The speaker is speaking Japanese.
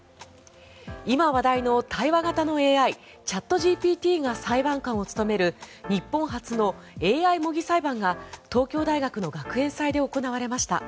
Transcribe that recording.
今話題の対話型のＡＩチャットＧＰＴが裁判官を務める日本初のＡＩ模擬裁判が東京大学の学園祭で行われました。